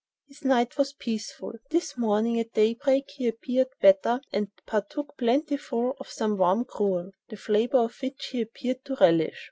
His night was peaceful. This morning, at daybreak, he appeared better, and partook plentifully of some warm gruel, the flavor of which he appeared to relish.